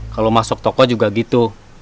kalau masuk toko juga gitu